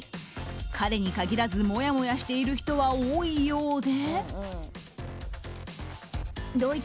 彼に限らずもやもやしている人は多いようで。